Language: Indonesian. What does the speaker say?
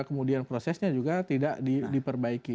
kemudian prosesnya juga tidak diperbaiki